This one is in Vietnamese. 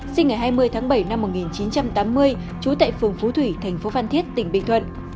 sinh ngày hai mươi tháng bảy năm một nghìn chín trăm tám mươi trú tại phường phú thủy thành phố phan thiết tỉnh bình thuận